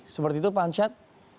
seperti itu pak ansyad